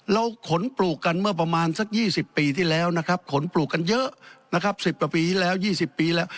เราขนปลูกกันเมื่อประมาณสัก๒๐ปีที่แล้วขนปลูกกันเยอะ๑๐ปีที่แล้ว๒๐ปีแล้ว